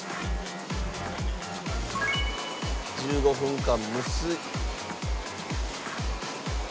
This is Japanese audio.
１５分間蒸す。